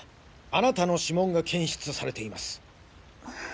あなたの指紋が検出されています。